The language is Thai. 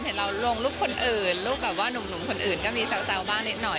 เห็นเราลงรูปคนอื่นรูปแบบว่าหนุ่มคนอื่นก็มีแซวบ้างนิดหน่อย